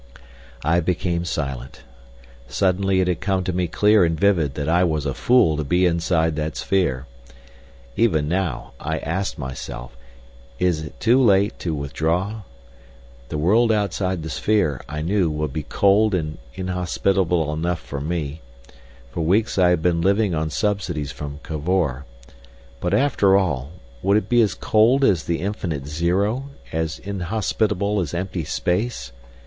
I became silent. Suddenly it had come to me clear and vivid that I was a fool to be inside that sphere. Even now, I asked myself, is to too late to withdraw? The world outside the sphere, I knew, would be cold and inhospitable enough for me—for weeks I had been living on subsidies from Cavor—but after all, would it be as cold as the infinite zero, as inhospitable as empty space?